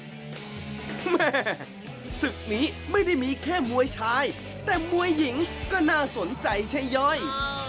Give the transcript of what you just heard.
แม่ศึกนี้ไม่ได้มีแค่มวยชายแต่มวยหญิงก็น่าสนใจใช่ย่อย